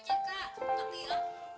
tapi ya ada ubinya